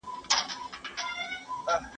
¬ کار اسباب کوي، لافي استا ولي.